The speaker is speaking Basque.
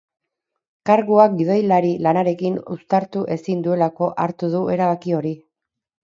Kargua gidoilari lanarekin uztartu ezin duelako hartu du erabaki hori.